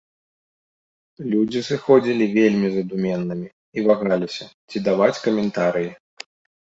Людзі сыходзілі вельмі задуменнымі і вагаліся, ці даваць каментарыі.